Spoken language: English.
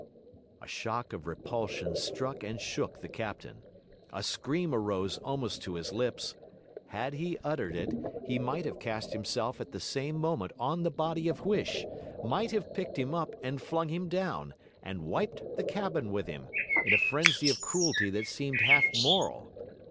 A shock of repulsion struck and shook the captain; a scream rose almost to his lips; had he uttered it, he might have cast himself at the same moment on the body of Huish, might have picked him up, and flung him down, and wiped the cabin with him, in a frenzy of cruelty that seemed half moral.